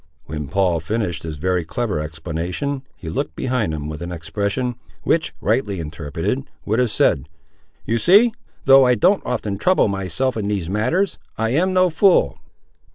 When Paul finished this very clever explanation he looked behind him with an expression, which, rightly interpreted, would have said—"You see, though I don't often trouble myself in these matters, I am no fool."